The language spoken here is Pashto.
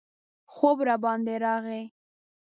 خوب راباندې راغی.